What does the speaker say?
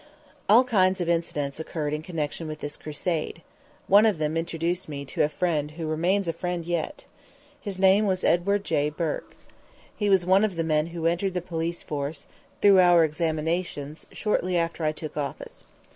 All kinds of incidents occurred in connection with this crusade. One of them introduced me to a friend who remains a friend yet. His name was Edward J. Bourke. He was one of the men who entered the police force through our examinations shortly after I took office.